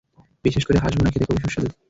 বিশেষ করে হাঁস ভুনা খেতে খুবই সুস্বাদু।